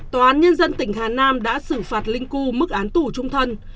tòa án nhân dân tỉnh hà nam đã xử phạt linh cu mức án tù trung thân